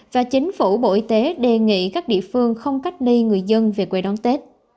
và chính phủ bộ y tế đề nghị các địa phương không cách ly người dân về quê đón tết